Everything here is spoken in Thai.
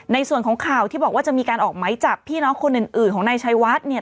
ในส่วนของข่าวที่บอกว่าจะมีการออกไหมจับพี่น้องคนอื่นของนายชัยวัดเนี่ย